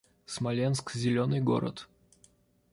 Смоленск — зелёный город